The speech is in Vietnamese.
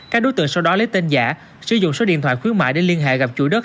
các đối tượng sau đó lấy tên giả sử dụng số điện thoại khuyến mại để liên hệ gặp chủ đất